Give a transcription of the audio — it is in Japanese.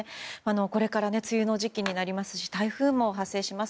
これから梅雨の時期になりますし台風も発生します。